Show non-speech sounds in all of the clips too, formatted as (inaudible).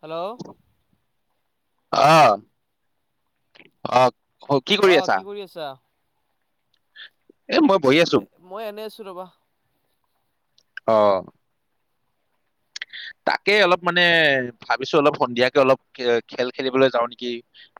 Hello আহ, অ'। অ', কি কৰি আছা? এ মই বহি আছো। মই এনে আছো ৰবা অ'। তাকে অলপ মানে ভাবিছো অলপ সন্ধিয়াকে অলপ খেল খেলিবলে যাওঁ নেকি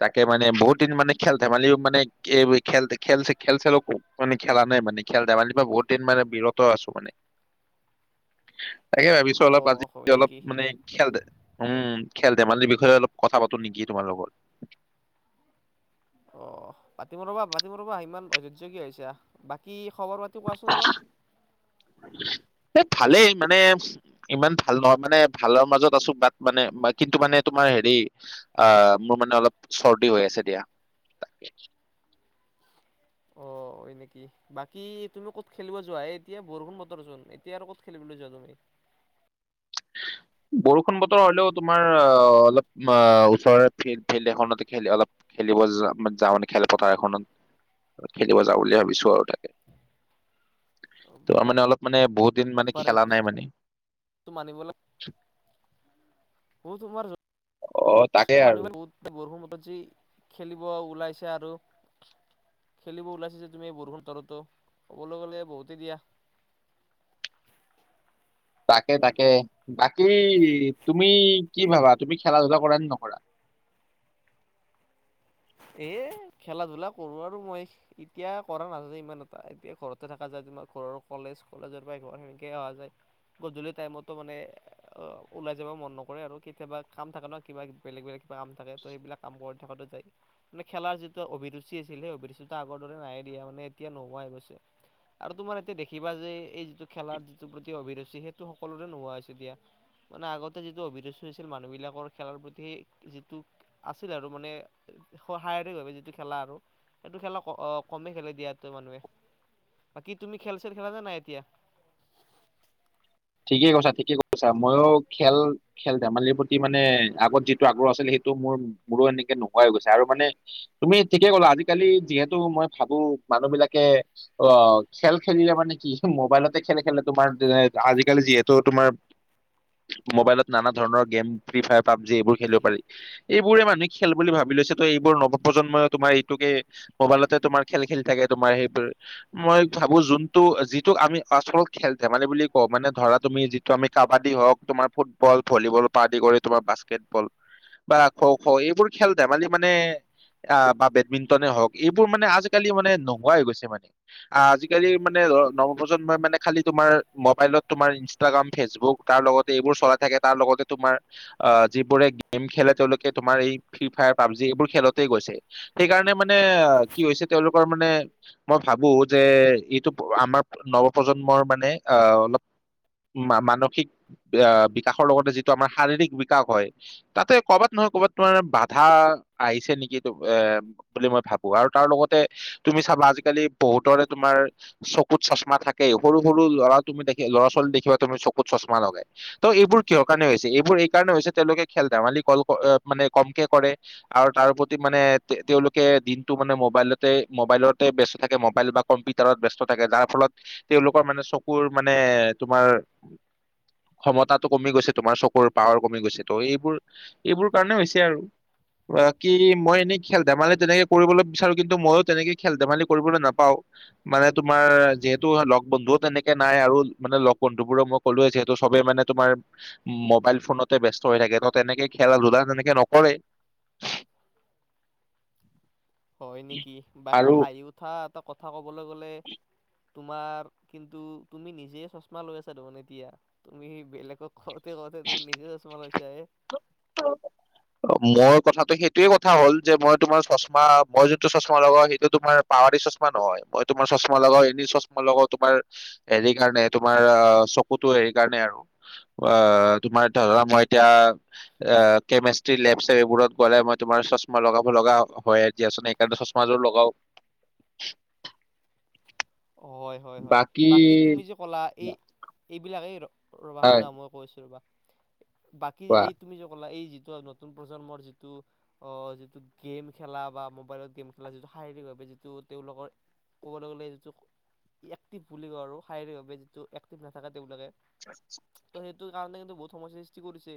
তাকে মানে বহুত দিন মানে খেল ধেমালিও মানে এই খেল খেল খেল চেল মানে খেলা নাই মানে খেল ধেমালিও মই বহুত দিন মানে বিৰত আছো মানে তাকে ভাবিছো অ অলপ আজি হয় অলপ নেকি মানে, খেল দে, উম। খেল ধেমালিৰ বিষয়ে অলপ কথা পাতো নেকি তোমাৰ লগত। অ পাতিম ৰবা পাতিম ৰবা ইমান অধ্হ্য হৈছে বাকী খবৰ পাতি কোৱাচোন অলপ? এই ভালেই মানে, ইমান ভাল নহয় মানে ভালৰ মাজত আছো বাট মানে কিন্তু মানে তোমাৰ হেৰি, আহ, মোৰ মানে অলপ চৰ্দি হৈ আছে দিয়া, তাকে। অ হয় নেকি, বাকী তুমি ক'ত খেলিব যোৱা, এতিয়া বৰষুণ বতৰচোন এতিয়া আৰু ক'ত খেলিবলৈ যোৱা তুমি? বৰষুণ বতৰ হলেওঁ তোমাৰ, আহ, অলপ ওচৰৰে ফিল্ড-ফিল্ড এখনতে খেলি অলপ খেলিব যা যা মানে, খেলপথাৰ এখনত খেলিব যাওঁ বুলি ভাবিছো আ, ৰু তাকে তাৰ মানে অলপ মানে বহুত দিন মানে বাপাৰে খেলা নাই বস্তু মানে। (unintelligible) অ'তোমাৰ অ তাকে বস্তু আৰু মানিব বৰষুণ বতৰ যে যি খেলিব ওলাইছে আৰু খেলিব ওলাইছে যে তুমি বৰষুণ বতৰতো ক'বলৈ গ'লে বহুতেই দিয়া তাকে তাকে। বাকী তুমি কি ভাবা তুমি খেলা-ধূলা কৰা নে নকৰা? এ, খেলা-ধূলা কৰো আৰু মই, এতিয়া কৰা নাযায় ইমান এটা, এতিয়া ঘৰতে থাকা যায়। তোমাৰ ঘৰৰ কলেজ, কলেজৰ পৰা ঘৰ সেনেকে অহা যায়। গধূলি টাইমতো মানে ওলাই যাব মন নকৰে আৰু কেতিয়াবা কাম থাকে ন' কিবা বেলেগ বেলেগ কিবা কাম থাকে ত' সেইবিলাক কাম কৰি থকোতে যায়। নে খেলাৰ যিটো অভিৰুচি আছিলে, সেই অভিৰুচিটো আগৰ দৰে নায়েই দিয়া। মানে এতিয়া নোহোৱা হৈ গৈছে আৰু তোমাৰ এতিয়া দেখিবা যে এ এই যিটো খেলাৰ যিটো প্ৰতি অভিৰুচি সেইটো সকলোৰে নোহোৱা হৈছে দিয়া। মানে আগতে যিটো অভিৰুচি হৈছিল মানুহবিলাকৰ খেলাৰ প্ৰতি, সেই যিটো আছিলে আৰু মানে শাহাৰৰিক ভাৱে যিটো খেলা আৰু সেইটো খেলা ক কমে খেলে দিয়াটো মানুহে। বাকী তুমি খেল-চেল খেলানে নাই এতিয়া? ঠিকেই কৈছা, ঠিকেই কৈছা। ময়ো খেল, খেল-ধেমালিৰ প্ৰতি মানে আগত যিটো আগ্ৰহ আছিল সেইটো মোৰ, মোৰো এনেকে নোহোৱাই হৈ গৈছে। আৰু মানে তুমি ঠিকে ক'লা আজিকালি যিহেতু, মই ভাবো মানুহ বিলাকে অ' খেল খেলিলে মানে কি মোবাইলতে খেলে খেল তোমাৰ, আজি আজিকালি যিহেতু তোমাৰ, মোবাইলত নানা ধৰণৰ গেম- ফ্ৰী ফায়াৰ, পাবজি এইবোৰ খেলিব পাৰি। এইবোৰে মানুহে খেল বুলি ভাবি লৈছে ত' এইবোৰ নৱপ্ৰজন্মই তোমাৰ এইটোকে মোবাইলতে তোমাৰ খেল খেলি থাকে। তোমাৰ সেইবোৰ মই ভাবো যোনটো এ যিটোক আমি আচল খেল-ধেমালি বুলি কওঁ মানে ধৰা তুমি যিটো আমি কাবাদী হওঁক তোমাৰ ফুটবল, ভলীবল পৰা আদি কৰি তোমাৰ বাস্কেটবল বা খ'খ' এইবোৰ খেল ধেমালি মানে, আ বা বেডমিন্টনে হওঁক এইবোৰ মানে আজিকালি মানে নোহোৱাই হৈ গৈছে মানে। আজিকালি মানে নৱপ্ৰজন্মই মানে খালি তোমাৰ মোবাইলত তোমাৰ ইনষ্টাগ্ৰাম, ফেচবুক তাৰ লগতে এইবোৰ চলাই থাকে, তাৰ লগতে তোমাৰ আ যিবোৰে গেম খেলে তেওঁলোকে তোমাৰ এই ফ্ৰী ফায়াৰ, পাবজি এইবোৰ খেলতে গৈছে। সেইকাৰণে মানে কি হৈছে তেওঁলোকৰ মানে মই ভাবো যে এইটো আমাৰ নৱপ্ৰজন্মৰ মানে আ অলপ মা মানসিক আ বিকাশৰ লগতে যিটো আমাৰ শাৰীৰিক বিকাশ হয়, তাতে ক'বাত নহয় ক'বাত তোমাৰ বাধা আহিছে নেকি এ বুলি মই ভাবো, আৰু তাৰ লগতে তুমি চাবা আজিকালি বহুতৰে তোমাৰ চকুত চশমা থাকেই, সৰু- সৰু ল'ৰা তুমি দেখি ল'ৰা-ছো দেখিবা তুমি চকুত চশমা লগাই। ত' এইবোৰ কিহৰ কাৰনে হৈছে? এইবোৰ এই কাৰণ হৈছে তেওঁলোকে খেল-ধেমালী কল কৰে মানে কমকে কৰে আৰু তাৰ প্ৰতি মানে, তেওঁলোকে দিনটো মানে মোবাইলতে, মোবাইলতে ব্যষ্ট থাকে। মোবাইল বা কম্পিউটাৰত ব্যষ্ট থাকে, যাৰ ফলত তেওঁলোকৰ মানে চকুৰ মানে তোমাৰ ক্ষমতাটো কমি গৈছে, তোমাৰ চকুৰ পাৱাৰ কমি গৈছে ত' এইবোৰ- এইবোৰ কাৰণে হৈছে আৰু, কি মই এনেই খেল-ধেমালি তেনেকে কৰিবলৈ বিচাৰো কিন্তু ময়ো তেনেকে খেল ধেমালি কৰিবলৈ নাপাওঁ। মানে তোমাৰ যিহেতু লগ- বন্ধুও তেনেকে নাই আৰু মানে লগ বন্ধুবোৰক মই কলোৱে যিহেতু, চবে মানে তোমাৰ মোবাইল ফোনতে ব্যস্ত হৈ থাকে ত, তেনেকে খেলা-ধূলা তেনেকে নকৰেই। হয় নেকি, বাকী হাঁহি উঠা এটা কথা ক'বলৈ গ'লে তোমাক কিন্তু তুমি নিজে চশমা লৈ আছা দেখোন এতিয়া, তুমি বেলেগক কওতে কওতে তুমি নিজে চশমা লৈছা (unintelligible) মোৰ কথাটো সেইটোৱে কথা হ'ল যে, মই তোমাৰ চশমা, মই যোনটো চশমা লগাও সেইটো তোমাৰ পাৱাৰী চশমা নহয়। মই তোমাৰ চশমা লগাও এনে চশমা লগাও তোমাৰ হেৰি কাৰণে, তোমাৰ আহ চকুতো হেৰি কাৰণে আৰু আহ তোমাৰ ধৰা মই এতিয়া আহ কেমেষ্ট্ৰি লেব-চেববোৰত গ'লে মই তোমাৰ চশমা লগাব লগা হয়ে দিয়াচোন, সেইকাৰণে চশমাযোৰ লগাও। হয় হয়-হয়, বাকী তুমি যে ক'লা এই এইবিলাক সেই ৰ'বা হয় শুনা, মই কৈছো ৰ'বা বাকী কোৱা এই তুমি যে ক'লা এই যিটো নতুন প্ৰজন্মৰ যিটো, অ' যিটো গেম খেলা বা মোবাইলত গেম খেলা যিটো শাৰীৰিকভাৱে যিটো তেওঁলোকৰ ক'বলৈ গ'লে যিটো এক্টিভ বুলি কওঁ আৰু শাৰীৰিক ভাৱে যিটো এক্টিভ নাথাকে তেওঁলোকে ত' (inaudible) সেইটো কাৰণে কিন্তু বহুত সমস্যাৰ সৃষ্টি কৰিছে।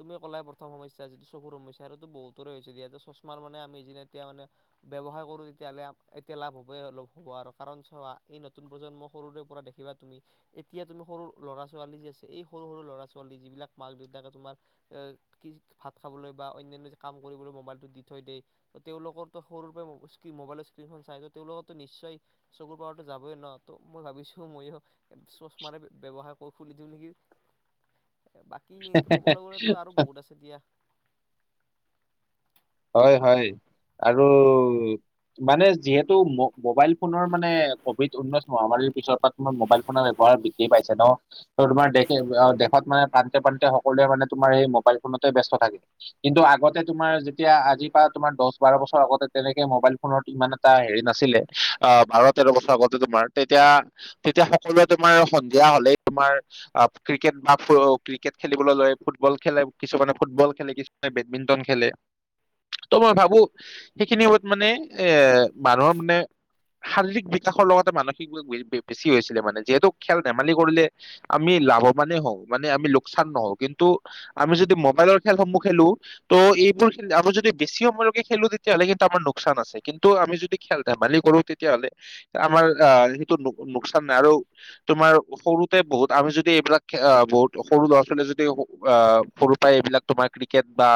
তুমি ক'লায়ে প্ৰথম সমস্যা যিটো চকুৰ সমস্যা, আৰুটো বহুতৰে হৈছে যে আৰু চশমা মানে আমি যেনে এতিয়া মানে ব্যৱসায় কৰো তেতিয়াহ'লে এতিয়া লাভ হ'বই আৰু কাৰণ চোৱা এই নতুন প্ৰজন্মক সৰুৰে পৰা দেখিবা তুমি, এতিয়া তুমি সৰু ল'ৰা-ছোৱালী যি আছে এই সৰু- সৰু ল'ৰা-ছোৱালী যিবিলাক মাক-দেউতাকে তোমাৰ এ কি ভাত খাবলৈ বা অন্যান্য যে কাম কৰিবলৈ মোবাইলতো দি থৈ দিয়ে, তেওঁলোকৰতো সৰুৰ পৰা মোবাইলৰ স্ক্ৰীণ মোবাইলৰ স্ক্ৰীণখন চাই ত' তেওঁলোকৰো নিশ্চয় চকুৰ পাওৱাৰ যাবই ন', ত' মই ভাবিছো ময়ো ভা চশমাৰে ব্যৱহাৰ খুলি দিও নেকি। এ বাকী ক'বলৈ গ'লেতো আৰু বহুত আছে দিয়া। হয় হয় আৰু মানে যিহেতু ম মোবাইল ফোনৰ মানে কভিড ঊনৈশ মহামাৰীৰ পিছত তোমাৰ মোবাইল ফোনৰ ব্যৱহাৰ বৃদ্ধি পাইছে ন'। ত' তোমাৰ দে দেশত মানে প্ৰান্তে- প্ৰান্তে সকলোৱে মানে তোমাৰ সেই মোবাইল ফোনতে ব্যস্ত থাকে। কিন্তু আগতে তোমাৰ যে তেতিয়া আজিৰ পৰা তোমাৰ দহ-বাৰ বছৰ আগতে তেনেকে মোবাইল ফোনৰ ইমান এটা হেৰি নাছিলে। অ' বাৰ-তেৰ বছৰ আগতে তোমাৰ তেতিয়া, তেতিয়া সকলোৱে তোমাৰ সন্ধিয়া হ'লেই তোমাৰ ক্ৰিকেট বা ফুটবল, ক্ৰিকেট খেলিবলৈ লয়, ফুটবল খেলে কিছুমানে ফুটবল খেলে কিছুমানে বেডমিন্টন খেলে ত' মই ভাবো সেইখিনি সময়ত মানে এ মানুহৰ মানে শাৰীৰিক বিকাশৰ লগতে মানসিক বি বি- বি বেছি হৈছিলে মানে। যিহেতু খেল ধেমালি কৰিলে আমি লাভৱানেই হওঁ, মানে আমি লোকচান নহওঁ। কিন্তু আমি যদি মোবাইলৰ খেলসমূহ খেলো ত' এইবোৰ আমি যদি বেছি সময়লৈকে খেলো তেতিয়াহলে কিন্তু আমাৰ লোকচান আছে, কিন্তু আমি যদি খেল-ধেমালি কৰো তেতিয়াহলে আমাৰ আহ সেইটো লোকচান নাই। আৰু তোমাৰ সৰুতে বহুত আমি যদি এইবিলাক খে আ বহুত সৰু ল'ৰা-ছোৱালী যদি স আ সৰুৰ পৰাই এইবিলাক তোমাৰ ক্ৰিকেট বা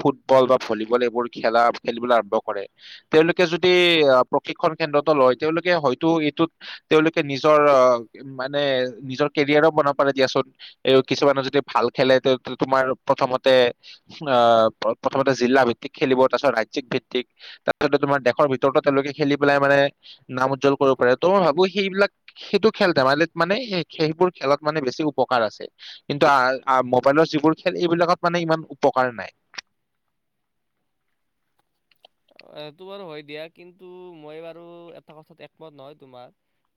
ফুটব ফুটবল বা ভলীবল এইবোৰ খেলা খেলিবলৈ আৰম্ভ কৰে, তেওঁলোকে যদি আ প্ৰশিক্ষণ কেন্দ্ৰতো লয় তেওঁলোকে হয়তো এইটোত তেওঁলোকে নিজৰ মানে নিজৰ কেৰিয়াৰো বনাব পাৰে দিয়াচোন। এই কিছুমানে যদি ভাল খেলে ত' তোমাৰ প্ৰথমতে আহ প্ৰথমতে জিলা ভিত্তিক খেলিব, তাৰপিছত ৰাজ্যিক ভিত্তিক, তাৰপিছতে তোমাৰ দেশৰ ভিতৰতো তেওঁলোকে খেলি পেলাই মানে নাম উজ্জ্বল কৰিব পাৰে, ত' মই ভাবো সেইবিলাক সেইটো খেল-ধেমালিত মানে সেইবোৰ খেলত মানে বেছি উপকাৰ আছে। কিন্তু মোবাইলৰ যিবোৰ খেল এইবিলাকত মানে ইমান উপকাৰ নাই। অ' সেইটো বাৰু হয় দিয়া, কিন্তু মই বাৰু এটা কথাত একমত নহয় তোমাৰ,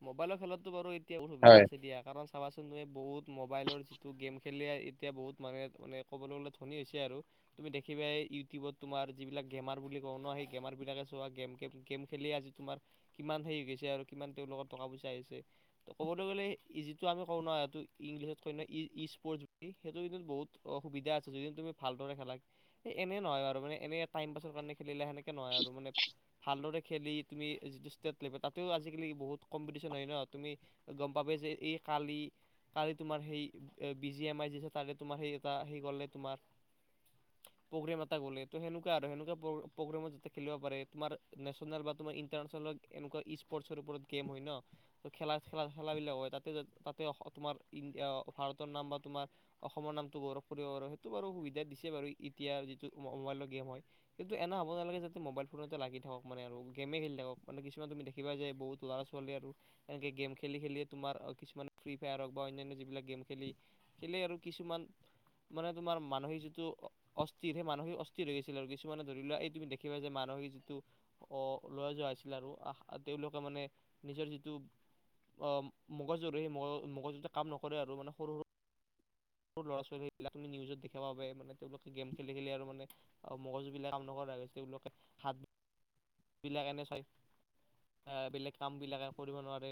মোবাইলৰ খেলতটো বাৰু এতিয়া অসুবিধা হয় আছে দিয়, কাৰণ চাবাচোন তুমি বহুত মোবাইলৰ যিটো গেম খেলি এতিয়া বহুত মানুহে মানে ক'বলৈ গলে ধনী হৈছে, আৰু তুমি দেখিবা এই ইউটিউবত তোমাৰ যিবিলাক গেমাৰ বুলি ওঁ ন সেই গেমাৰবিলাকে চোৱা গেম গেম গেম খেলি আজি তোমাৰ কিমান হেৰি হৈ গৈছে, আৰু কিমান তেওঁলোকৰ টকা পইচা হৈছে, ত ক'বলৈ গ'লে যিটো আমি কওঁ ন সেইটো ইংলিছত ক'য় ই স্পৰ্টছ বুলি, সেইটো কি বহুত অসুবিধা আছে যদি তুমি ভালদৰে খেলা সেই এনেই নহয় আৰুাৰ মানে এনেই টাইম পাছৰ কাৰণে খেলিলে সেনেকে নহয় আৰু মানে, ভালদৰে খেলি তুমি যিটো ষ্টেট লেভেল তাতেও আজিকালি বহুত কম্পিটিচন হয় ন, তুমি গম পাব যে এই কালি কালি তোমাৰ সেই বি জি এম আই তাৰে তোমাৰ সেই সেইলে তোমাৰ প্ৰগ্ৰেম এটা গ'লে ত সেনেকুৱা আৰু প্ৰগ্ৰেমত যাতে খেলিব পাৰে তোমাৰ নেচনেল বা তোমাৰ ইণ্টাৰনেচনেল এনেকুৱা স্পৰ্টছৰ ওপৰত গেম হয় ন খেলা খেলা খেলাবিলাক হয় তাতে তাতে তোমাৰ ভাৰতৰ নাম বা তোমাৰ অসমৰ নামটো গৌৰৱ কৰিব পাৰি, সেইটো বাৰু সুবিধা দিছে বাৰু এতিয়াৰ যিটো মোবাইলৰ গেম হয়, টো এনে হ'ব নালাগে যাতে মোবাইল ফোনতে লাগি থাকক মানে আৰু গেমেই খেলি থাকক মানে কিছুমান তুমি দেখিবা যে বহুত ল'ৰা ছোৱালী আৰু এনেকে গেম খেলি খেলিয়ে তোমাৰ কিছুমান ফ্ৰী ফায়াৰক বা অন্যান্য যিবিলাক গেম খেলি খেলে আৰু কিছুমান মানে তোমাৰ মানসিক যিটো অস্থিৰ সেই মানসিক অস্থিৰ হৈ গৈছিল আৰু কিছুমানে ধৰি লোৱা এই তুমি দেখিবা যে মানসিক যিটো আহ লৰা যোৱা আছিলে আৰু আহ তেওঁলোকে মানে নিজৰ যিটো আহ মগজুৰ সেই মগ মগজুতে কাম নকৰে আৰু মানে সৰু সৰু সৰু ল'ৰা ছোৱালীবিলাকি নিউজত দেখিবা প মানে তেওঁলোকে গেম খেলি খেলি আৰু মানে মগজু বিলাক কাম নকৰা হৈ গৈছে, তেওঁলোকে হাত বিলাক এনে চাই বেলেগ কাম বিলাকে কৰিব নোৱাৰে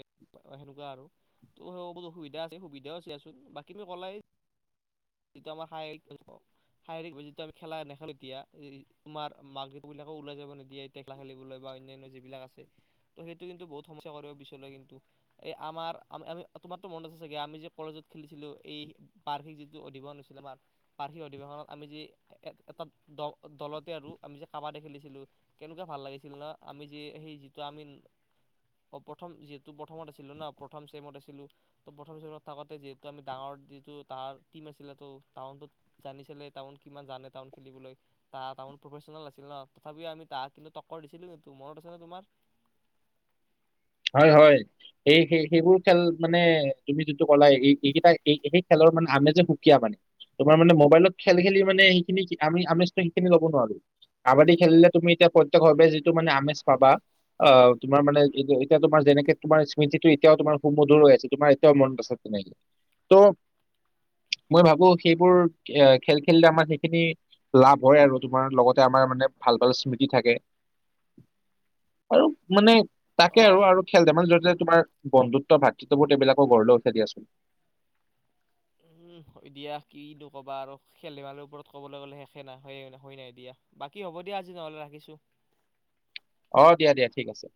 সেনেকুৱা আৰু ত বহুত অসুবিধা আছে সুবিধাওচোন বাকী তুমি ক'লাই যিটো আমাৰ শাৰীৰিকভাৱে যিটো আমি খেলা নেখেলো এতিয়া তোমাৰ মাক দেউতাক বিলাকে ওলাই যাব নিদিয়া এতিয়া খেলা খেললৈ বা অন্যান্ম যিবিলাক আছে ত' সেইটো কিন্তু বহুত সমস্যা কৰিব পিছলৈ, কিন্তু এই আমাৰ আমি তোমাৰতো মনত আছে চগে আমি যে কলেজত খেলিছিলো এই বাৰ্ষিক যিটো অধিবেশন হৈছিলে আমাৰ বাৰ্ষিক অধিবেশনত আমি যে এটা দলতে আৰু আমি যে কাবাডী খেলিছিলো কেনেকুৱা ভাল লাগিছিল ন, আমি যি সেই যিটো আমি প্ৰথম যিহেতু প্ৰথমত আছিলো ন প্ৰথম চেমত আছিলো ত প্ৰথম চেমত থাকোতে যিহেতু আমি ডাঙৰ যিটো তাৰ টিম আছিলে ত টাউনত জানিছিলে টাউন কিমান জানে টাউন খেলিবলৈ তাত তামোল প্ৰফেচনেল আছিল ন, তথাপি আমি তাহ কিন্তু টক্কৰ দিছিলো এইটো মনত আছে ন তোমাৰ? হয় হয় সেই সেই সেইবোৰ খেল মানে তুমি যিটো ক'লা এই এইকেইটা এই সেই খেলৰ মানে আমেজে সুকীয়া। মানে তোমাৰ মানে মোবাইলত খেল খেলি মানে সেইখিনি আমি আমেজটো সেইখিনি লব নোৱাৰো, কাবাডী খেলিলে তুমি এতিয়া প্ৰত্যক্ষভাৱে যিটো মানে আমেজ পাবা অ তোমাৰ মানে এই এতিয়া তোমাৰ যেনেকে তোমাৰ স্মৃতিটো এতিয়াও তোমাৰ সুমধুৰ হৈ আছে তোমাৰ এতিয়াও মনত আছে তেনেকে ত' মই ভাবো সেইবোৰ খেল খেলিলে আমাৰ সেইখিনি লাভ হয় আৰু তোমাৰ লগতে আমাৰ মানে ভাল ভাল স্মৃতি থাকে। আৰু মানে তাকে অহ আৰু খেল ধেমালি য তোমাৰ বন্ধুত্ব, ভাতৃত্ববোৰ, এইবিলাকো গঢ়ৈ উঠাই দিয়াচোন। উম এ দিয়া কিনো ক'বা আৰু খেল ধেমালিৰ ওপৰত কবলৈ গ'লে শেষে নহয়, হয় নাই দিয়া বাকী হ'ব দিয়া আজি নহলে ৰাখিছো। অ' দিয়া দিয়া ঠিক আছে।